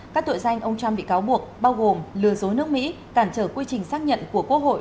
các tội danh ông trump bị cáo buộc bao gồm lừa dối nước mỹ cản trở quy trình xác nhận của quốc hội